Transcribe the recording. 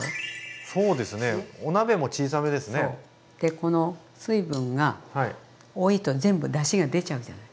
この水分が多いと全部だしが出ちゃうじゃない？